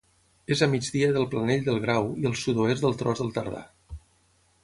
És a migdia del Planell del Grau i al sud-oest del Tros del Tardà.